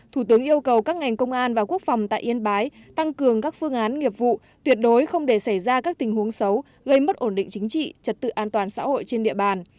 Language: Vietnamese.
thủ tướng yêu cầu các ngành công an và quốc phòng tại yên bái tăng cường các phương án nghiệp vụ tuyệt đối không để xảy ra các tình huống xấu gây mất ổn định chính trị trật tự an toàn xã hội trên địa bàn